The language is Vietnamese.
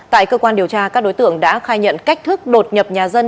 tại cơ quan điều tra các đối tượng đã khai nhận cách thức đột nhập nhà dân